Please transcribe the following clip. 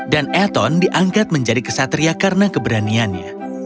dan ethan diangkat menjadi kesatria karena keberaniannya